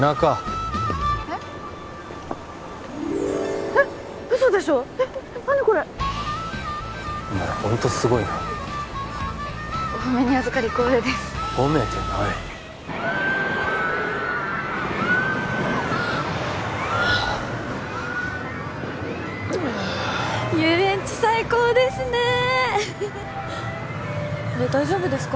あれ大丈夫ですか？